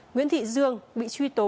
nguyễn thị dương bị truy tố